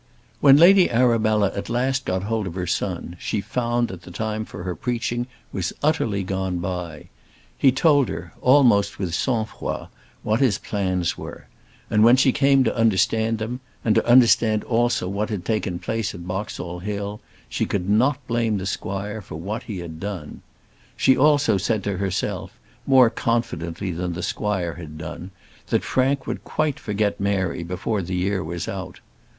When Lady Arabella at last got hold of her son she found that the time for her preaching was utterly gone by. He told her, almost with sang froid, what his plans were; and when she came to understand them, and to understand also what had taken place at Boxall Hill, she could not blame the squire for what he had done. She also said to herself, more confidently than the squire had done, that Frank would quite forget Mary before the year was out.